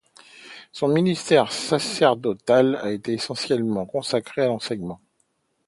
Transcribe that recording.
Son ministère sacerdotal a été essentiellement consacré à l'enseignement.